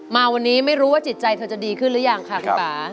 มาวันนี้ไม่รู้ว่าจิตใจเธอจะดีขึ้นหรือยังค่ะคุณป่า